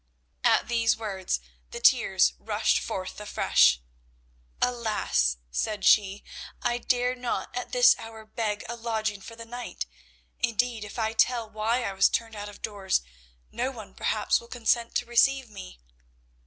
At these words the tears rushed forth afresh. "Alas," said she, "I dare not at this hour beg a lodging for the night. Indeed, if I tell why I was turned out of doors, no one perhaps will consent to receive me."